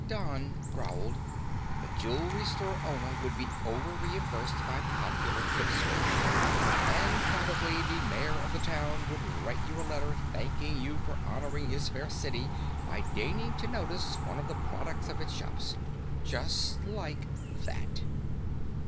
Don growled, "The jewelry store owner would be over reimbursed by popular subscription. And probably the mayor of the town would write you a letter thanking you for honoring his fair city by deigning to notice one of the products of its shops. Just like that."